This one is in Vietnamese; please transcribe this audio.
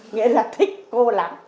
nghĩa là thích cô lắm